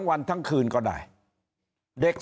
สวัสดีครับท่านผู้ชมครับสวัสดีครับท่านผู้ชมครับ